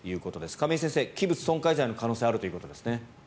亀井先生、器物損壊罪の可能性があるということですね。